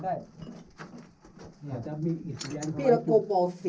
อะไร